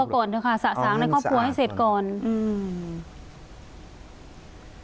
ในครอบครัวก่อนสระสางในครอบครัวให้เศตก่อนเอาอืม